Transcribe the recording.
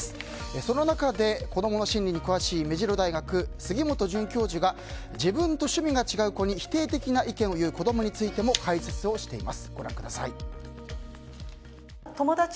その中で子供の心理に詳しい目白大学、杉本希映准教授が否定的な意見を言う子供についても解説しています。